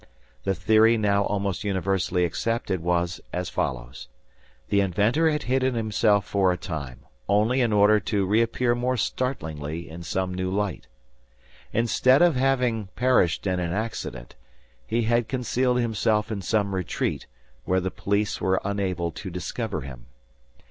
The theory now almost universally accepted was as follows. The inventor had hidden himself for a time, only in order to reappear more startlingly in some new light. Instead of having perished in an accident, he had concealed himself in some retreat where the police were unable to discover him.